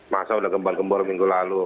masa udah gembor gembor minggu lalu